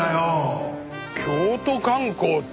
京都観光って。